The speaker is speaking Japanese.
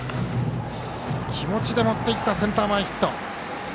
気持ちで持っていったセンター前ヒット。